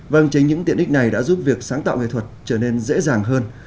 vâng chính những tiện ích này đã giúp việc sáng tạo nghệ thuật trở nên dễ dàng hơn